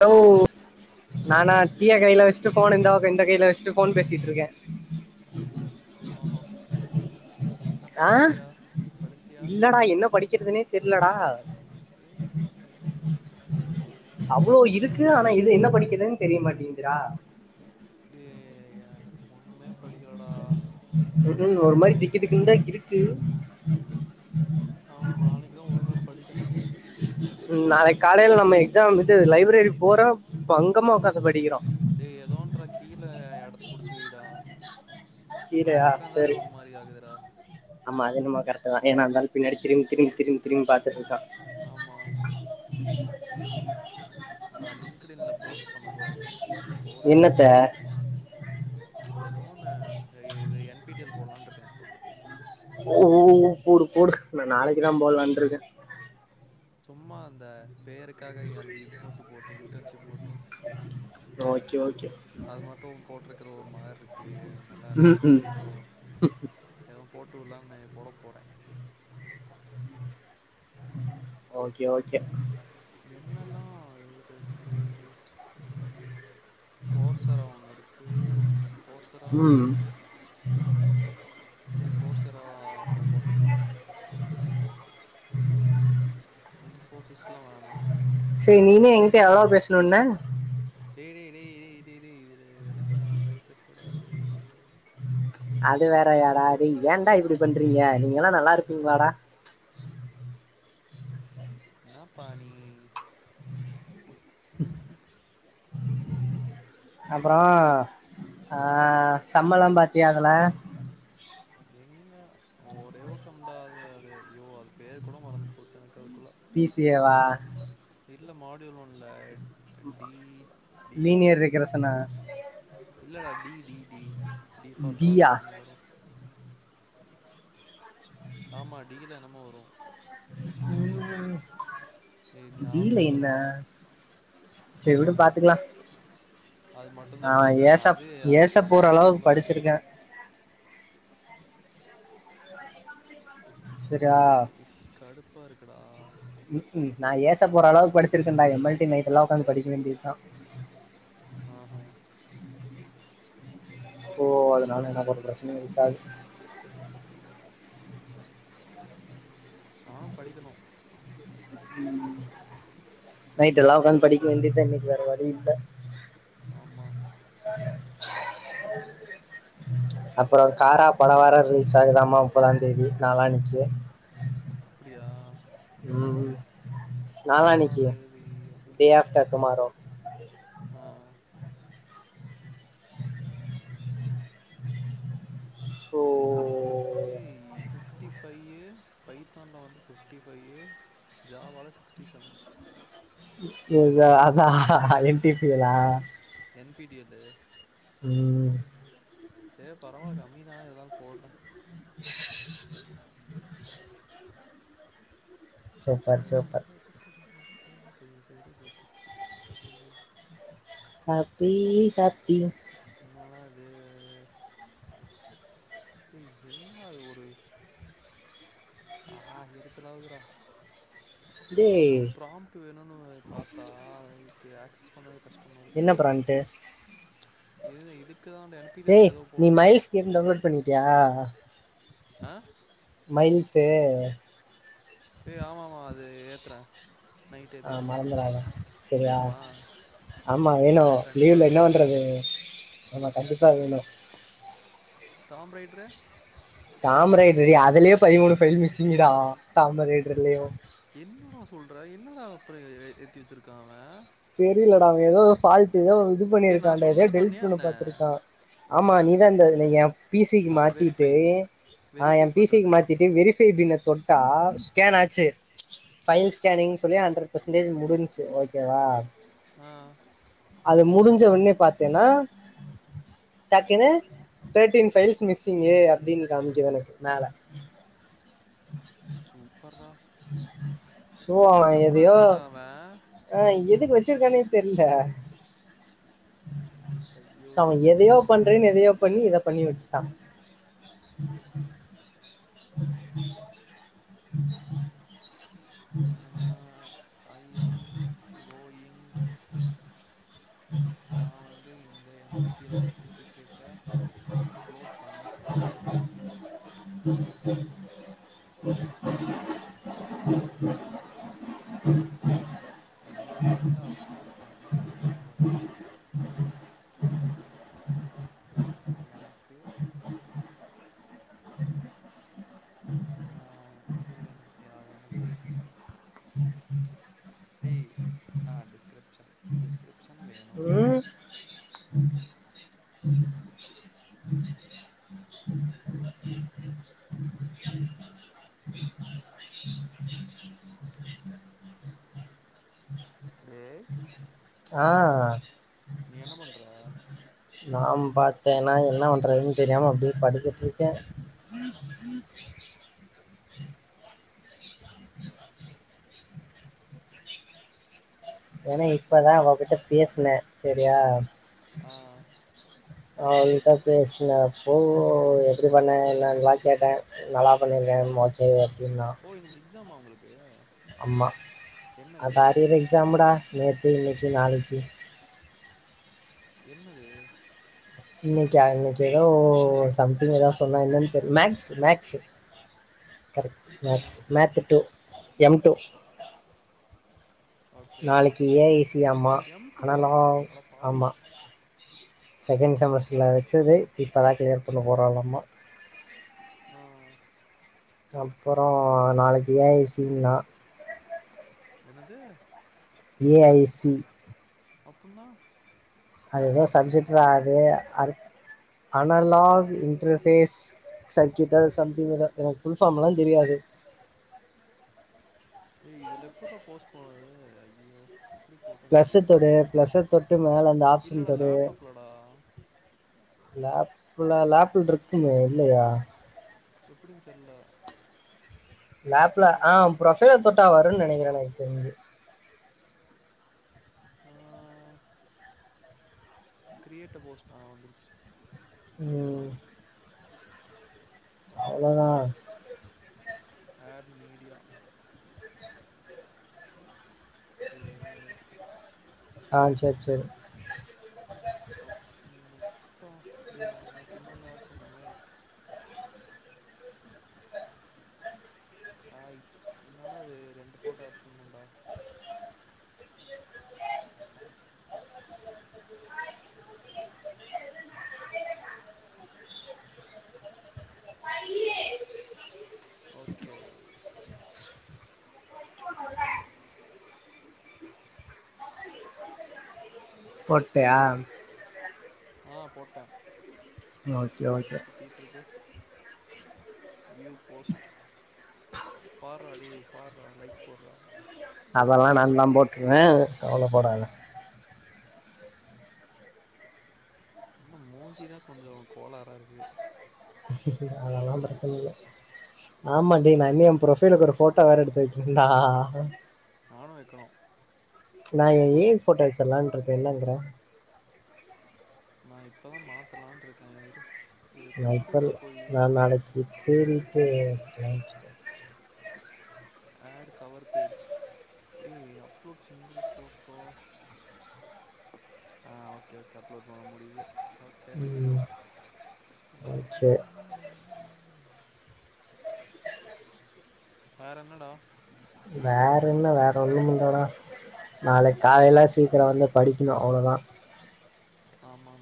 என்ன ஹலோ பண்ற நானா டீய கையில வச்சட்டு போஅ இந்த் பக்கம் இந்த கையில வச்சிட்டு போன் பேசிட்டு இருக்கே ஓஹோ என்ன ஆஹ் படிச்சிட்டியா படிச்சிட்டியா இல்லடா என்ன படிக்கிறதுனே தெரியலடா ஏ ரேஸ்மா ஏவா யாரா அது அவ்வுளோ இருக்கு ஆனா இது என்ன படிக்கிறதுன்னு தெரிய மாட்டீங்கு ரெடியா அப்படியே [unintelligible] ஒண்ணுமே படிக்கலடா ம் ஒரு மாரி திக்கு திக்குன்னு தா இருக்கு ஆமா ம் நாளைக்கு தான் ஒழுங்கா படிக்கணும் நாளைக்கு காலைல நம்ம எக்ஸாம் விட்டு லைப்ரரி போறோம் பங்கமா உட்காத்து படிக்கிறோ கீழ இடத்த புடிச்சி வெய்டா கீழயா செர் ஆமா அது என்னமா க ஏன்னா அந்தாலு பின்னாடி திரும்பி திரும்பி திரும்பி திரும்பி பாத்துட்டு இருக்கான் ஆமா நான் லிங்ட் இன்ல போஸ்ட் பண்ண போறே இப்போ போர் அடிக்குது என்னத்த ஏதோன்னு இது என் பிடி எல் போடலானு இருக்கே இப்போ ஓ போடு போடு நான் நாளைக்குதான் போட்லான்னு இருக்கே சும்மா அந்த பேருக்காக அந்த இது மட்டும் போட்டு இன்டர்ன்ஷிப் மட்டும் ஓகே ஓகே அது மட்டும் போட்ட இருக்கிற ஒரு மா இருக்கு அனா நல்லா இல்ல ம் ம் சோ இத போட்டு ட்டுலான்னு போட போறே ஓகே ஓகே என்னெல்லாம் கோர் சரா ஒண்ணு இருக்கு கோர்ஸ ரான் ம் ச கோர் சரா அப்றம் போட்டுக்லாம் இன்ஃபோசிஸ்லா வேணா நீங்க எங்கிட்ட எவ்ளோ பேஸ்ணும்ன டே டே டே இதுலா பேசக்கூடாது அது வேற யாடா டேய் ஏன்டா இப்டி பண்றீங்க நீங்க எல்லாம் நல்லா இருப்பீங்ளாடா என்னாப்பா நீ அப்பறோ ஆஹ் சம்பளம் பாத்தியா அதுல எங்க ஒரே வருஷம்தான் அது ஐயோ அது பேர் கூட மறந்து போச்சு எனக்கு அது பிசிஏவா இல்ல மாடியோல ஒண்ணு இல்ல டி டி என்னமோ லீனியர் வருமே ரெக்ரஷனா இல்லடா டிடிடி டி ஃபார் டியா டாக்குனு என்னமோ வரும் ஆமா டீ தா என்னமோ வரும் ம்ஹ் ஏ டி ல ஞாபகமே என்ன இல்லடா செர் விடு பாத்துக்லாம் அது மட்டுந்தா ஆ பாத்தே ஏச அது ஏச அதே போற ஆனா அளவ்க்கு கோளாரா படிச்சிருக்கே இருந்துச்சு செரியா ப்பா இருக்குடா ம்கும் நான் ஏச போற அளவுக்கு படிச்சிருக்கேன்டா எம் எல் டி நைட் எல்லாம் உக்காந்து படிக்க வேண்டிதான் ஆஹா ஓஹ் அதனால எனக்கு ஒரு பிரச்சனயு இருக்காது நானு படிக்கணு உம் நைட்டு் எல்லா நைட் உக்காந்து படிக்க படிப்பே வேண்டியதா இன்னைக்கு வேற வழி இல்ல ஆமா அப்புறம் ஆ காரா படம் வர ரிலீஸ் ஆகுதாம முப்பதாம்ந்தேதி நாளன்னைக்கு உஹ இதா எப்போ முப்பதாம் நாளானிக்கு தேதி ஓகே டே ஆஃப்டர் டுமாரோ ஆஹ் சோ ஏ பிஃப்டி ஃபைவ் பைத்தானில் வந்த ஃபிஃப்டி பைவ் ஜாவால சிக்ஸ்டி செவன் அதான் எம் டி பிரியலா என்பிடிஎல் உம் சே பரவாயில்ல கம்மி தானே இருந்தாலு போடற [inaudible] கட சூப்பர் சூப்பர் எத்த [inaudible] காஹப்பி சாத்தி என்னடா இது என்ன அது ஒரு ஆஹ் எரிச்சலாவுதுடா டேய் ஒரு பிராம்ப்ட வேணும்னு பாத்தா ஆக்சஸ் பண்ணவே கஷம் என்ன பிராண்ட்டு இது இதுக்கு தான் என் பி டி எல் ஏய் க்கு ஏதோ நீ போடணுல்ல மயல்ஸ் கேம் டவுன்லோட் பண்ணிட்டியா ஆ மைல்ஸ் தே அவ ஏய் ஆமாமா அது ஏத்தற ஆ மறந்துறாத சரியா வேணுமா ஆமா வேணோ கண்டிப்பா லீவ்ல வேணுமா இன்னோனுருக்கு ஆமா கண்டிப்பா வேணோ டாம் ரைட்ரு டாம்ரைட்று அதுலயே பதிமூணு ஃபைல் மிஸ்ஸிங்குடா டாம்ரைட்றுலயு என்னடா சொல்ற என்னடா அப்புறோ ஏத்தி வெச்சிருக்கா அவ தெரியலடா ஏதோ சால்ட் த இது ஏய் பண்ணியிருக்கா நான் அ சொன்னது டெலிட் பண்ணியா பண்ண என்ன பாத்திருக்கா ஆமா நீதா இந்த இ ஏ பீ சிக்கு அந்த மாத்திட்டு வெரிஃபை அ வெரிஃபை ஏ பீ சிக்கு பண்றது மாத்திட்டு வெரிஃபை டின்னர் தொட்டா ஸ்கேன் ஆச்சு ஃபைல் ஸ்கேனிங் சொல்லி ஹண்ட்ரட் பர்சன்டேஜ் முடிஞ்சச்சு ஓகேவா ஆ அது முடிஞ்ச ஒன்னே பாத்தேனா டக்குனு தேர்ட்டின் ஃபைல்ஸ் மிஸ்ஸிங்கு அப்டீன்னு காமிக்கு எனக்கு காமிக்குது மேல ஹ சோ சோ என்னத்தடா அப்புறம் எதையோ வச்சிருக்கான் அவன் ஆ இது எதுக்கு வெச்சிருக்கானே தெர்ல ஐயோ அவ எதையோ பண்றேன்னு எதையோ பண்ணி இத பண்ணி விட்டா உம் உஹம் உம் உம் உம் உம் ஐ எம் கோயிங் உம் உம் உம் நான் வந் இந்த என் பி டி எல் சர்ட்டிபிகேட்டை அப்லோட் பண்ண போறேன் உம் உ உம் உம் உம் உ லிங்க்டின்ல அப்லோட் பண்ண போற ஆ எனக்கு அ இது வேணும்து என்னது டேய் அ டிஸ்கிரிப்ஷன் டிஸ்கிரிப்ஷன் வேணோ ம் டேய் ஆ நீ என்ன பண்ணுற நான் பாத்தேனா என்ன பண்றதுன்னு தெரியாம அப்டியே படுத்துட்டுருக்க ஆ ஏன்னா இப்பதா அவகிட்ட பேசுன சரியா ஆ அவள்கிட்ட பேசுனே அப்போ எப்டி பண்ண என்ன எல்லா கேட்ட நல்லா பண்ணிருக்க மோச்சவே என்ன எக்ஜாமா உங்களுக்கு ஆமா என்னது அரியர் எக்ஸாம்டா நேத்து இன்னைக்கு நாளைக்கு [unintelligible] என்னது இன்ணைக்கு அன்னைக்கி ஏதோ சம்திங் எதாவது சொன்ன என்னனு மேக்ஸ் மேக்ஸு கரெக்ட் ஆ maths math two M two okay நாளைக்கு ஏஐசி ஆமா எம் டூவா ஆனாலாம் அட பாவி ஆமா செகண்ட் செமஸ்டர்ல வச்சது இப்பதான் கிளியர் பண்ண போறா லாமா ஆ அப்புறம் நாளைக்கு ஏஐசீ் நா என்னது ஏ ஐசி அப்படின்னா அது எதோ சப்ஜெக்ட்ரா அது அ அனலாக் இன்டர்பேஸ் சர்குயட்டல் சம்திங் எதோ புல்ஃபார்ம்ல்லாம் தெரியாது ஏய் இதுல எப்பற போஸ்ட் போட்றது ஐயோ எப்டி போட்றன்னு பிளஸ் தெர்லயே தொடு பிளஸ் தொட்டு மேல அந்த ஆப்ஷன் இல்லடா தொடு லேப்டாப்லடா இ்வள லேப்பள் இருக்குமே இல்லையா எப்படின்னு தெரியல லேப்ல ஆஹ் புரொஃபைல தொட்டா வரும்ன்னு நினைக்கிறேன் எனக்கு தெரிஞ்சு ஆஹ கிரியேட்ட போஸ்ட் ஆ வந்துருச்சு உம் அவ்வளோதான் ஆட மீடியா இரு ஒரே செகன்ட் ஆஹ் சரி சரி கஷ்டம் அப்படியா எனக்கு இன்னொன்னு ஆட் பண்ணுமே ஆய் என்னடா அது ரெண்டு போட்டோ ஏட் பண்ணும்டா ஓகே போட்டயா ஆஹ் போட்டேன் ஆ சுத்திட்டு இருக்கு வியூ போஸ்ட் ப படி பார்ரா லைக் போர்றா அதெல்லாம் நான் தான் போட்டுருவேன் கவல படாத என்ன மூஞ்சிதான் கொஞ்சம் கோளாரா இருக்கு அதெல்லாம் பிரச்சனை இல்லை ஆமாண்டி நான் இன்னு எ பு்ரொஃபைலுக்கு ஒரு போட்டோ வேற எடுத்து வைக்கிருந்தா நாணும் வைக்கணும் நா எயா ஏ ஐ போட்டோ வெச்சலான் இருக்கே என்னங்குற நா இப்பதா மாத்தலான்டுடிருக்கே இரு இரு நைப்பல் ப்ரொஃபைலில் போய் நா நாளைக்கி தேடிட்டு வெச்சிக்லான்டிருக்கே ஆட் கவர் பேஜ் ஏ upload single photo ah okay okay upload பண்ண முடியுது ஓகே ம் ஓகே வேற என்னடா வேற என்ன வேற ஒன்னுமில்லடா நாளைக்கு காலையில சீக்கிரோ வந்து படிக்கணு அவ்ளோதா ஆமா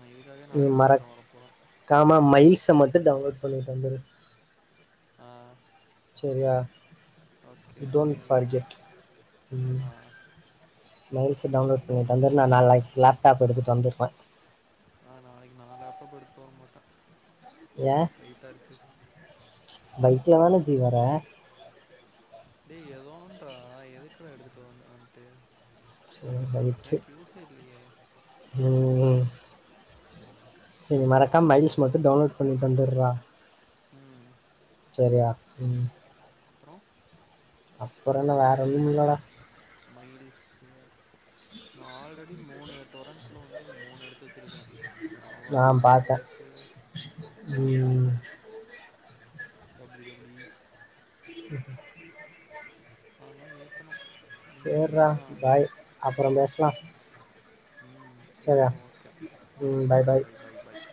மறக்காம மய்ஸ் மட்டோ டவுன்லோட் பண்ணிட்டு வந்துடு ஆ செரியா ஓகே டோன் ஓகே ஃபர்கெட் ம் ஆ மெயில்சு டவுன்லோட் பண்ணி தந்துருந்தா நால்லா இருந்துச்சிலா டாப் எடுத்துட்டு வந்துர்பே ஆ நாளைக்கு நான் எடுத்துட்டு வர மாட்டே வெயிட்டா இருக்கு பைக்ல தான ஜி வர டே எதோன்றா எதுக்குடா எடுத்துட்டு வரனு வன்ட்டு சேரி ரைட்டு ம் செரி மறக்காம மைல்ஸ் மட்டு டவுன்லோட் பண்ணிட் வந்துர்றா ம் சேரியா ம் அப்புறம் அப்பறென்ன வேற ஒன்னுமில்லடா மைல்ஸ் நா ஆல்ரடி மூணு டொரன் ட்ல வந்து மூணு எடத்து வச்சிருக்க ஆம் பாத்த ம் டபுள்யு டபுள்யு இ ம் அதல்லா ஏத்தனு சேர்ரா பாய் அப்பறம் பேசலா ம் சேர்ரா ஓகே பாய் பாய் பாய் பாய்